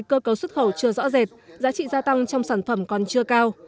cơ cấu xuất khẩu chưa rõ rệt giá trị gia tăng trong sản phẩm còn chưa cao